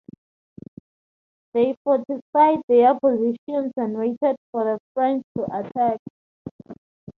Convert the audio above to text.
They fortified their positions and waited for the French to attack.